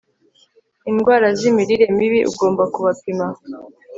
indwara z'imirire mibi, ugomba kubapima